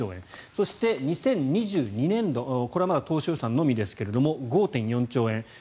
そして、２０２２年度これまだ当初予算のみですが５．４兆円。